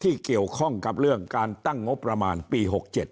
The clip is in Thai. ที่เกี่ยวข้องกับเรื่องการตั้งงบประมาณปี๖๗